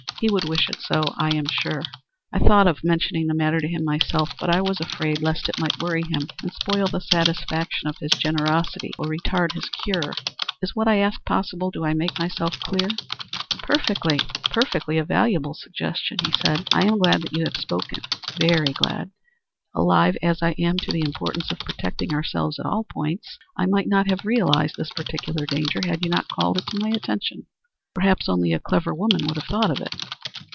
He would wish it so, I am sure. I thought of mentioning the matter to him myself, but I was afraid lest it might worry him and spoil the satisfaction of his generosity or retard his cure. Is what I ask possible? Do I make myself clear?" "Perfectly perfectly. A valuable suggestion," he said. "I am glad that you have spoken very glad. Alive as I am to the importance of protecting ourselves at all points, I might not have realized this particular danger had you not called it to my attention. Perhaps only a clever woman would have thought of it."